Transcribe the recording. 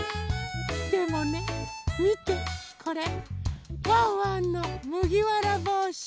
でもねみてこれワンワンのむぎわらぼうし。